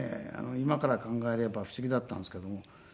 今から考えれば不思議だったんですけども。